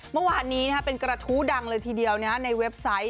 เมื่อวานนี้เป็นกระทู้ดังเลยทีเดียวในเว็บไซต์